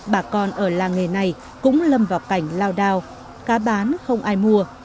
bà con ở làng nghề này cũng lâm vào cảnh lao đao cá bán không ai mua